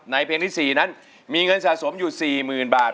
เพลงที่๔นั้นมีเงินสะสมอยู่๔๐๐๐บาท